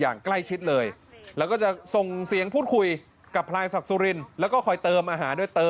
อย่างใกล้ชิดเลยแล้วก็จะส่งเสียงพูดคุยกับพลายศักดิ์สุรินทร์